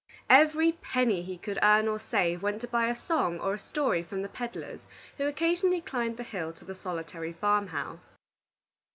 Every penny he could earn or save went to buy a song or a story from the peddlers who occasionally climbed the hill to the solitary farm house.